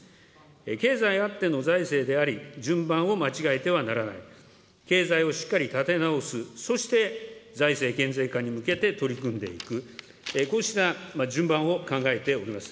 経済あっての財政であり、順番を間違えてはならない、経済をしっかり立て直す、そして財政健全化に向けて取り組んでいく、こうした順番を考えております。